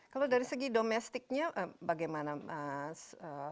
kalau dari segi domestiknya bagaimana mas